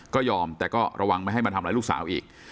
ก็ยอมแต่ก็ระวังไม่ให้มาทำร้ายลูกสาวอีก